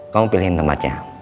kamu pilihin tempatnya